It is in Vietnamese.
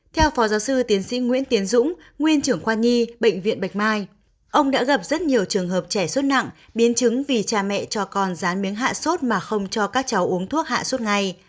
theo phó giáo sư tiến sĩ nguyễn tiến dũng nguyên trưởng khoa nhi bệnh viện bạch mai ông đã gặp rất nhiều trường hợp trẻ sốt nặng biến chứng vì cha mẹ cho con rán miếng hạ sốt mà không cho các cháu uống thuốc hạ suốt ngày